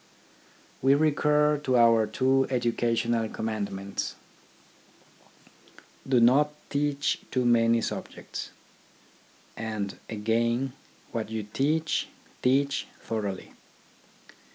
We recur to our two educational commandments, " Do not teach too many subjects," and again, " What you teach, teach thoroughly."